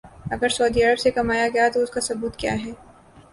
اگر سعودی عرب سے کمایا گیا تو اس کا ثبوت کیا ہے؟